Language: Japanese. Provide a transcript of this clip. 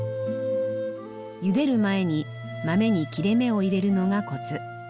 ゆでる前に豆に切れ目を入れるのがコツ。